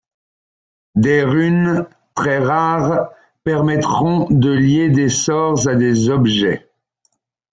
Des runes, très rares, permettront de lier des sorts à des objets.